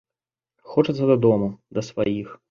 Хочацца дадому, да сваіх.